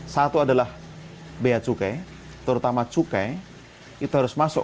satu adalah biaya cukai terutama cukai itu harus masuk